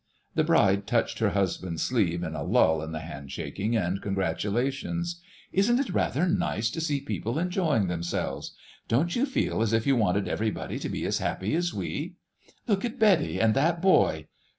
The Bride touched her husband's sleeve in a lull in the handshaking and congratulations. "Isn't it rather nice to see people enjoying themselves! Don't you feel as if you wanted everybody to be as happy as we?—Look at Betty and that boy....